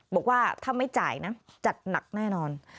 บอกว่าถ้าไม่จ่ายนะจัดหนักแน่นอน